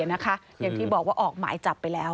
อย่างที่บอกว่าออกหมายจับไปแล้ว